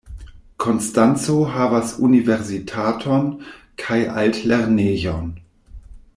Konstanco havas universitaton kaj altlernejon.